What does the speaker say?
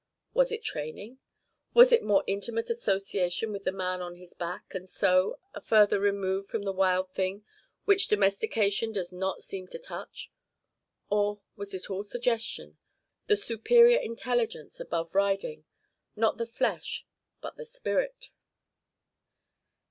Was it training? Was it more intimate association with the man on his back, and so, a further remove from the wild thing which domestication does not seem to touch? Or was it all suggestion, the superior intelligence above riding not the flesh, but the spirit?